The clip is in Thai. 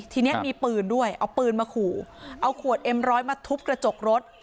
ทีนี้มีปืนด้วยเอาปืนมาขู่เอาขวดเอ็มร้อยมาทุบกระจกรถ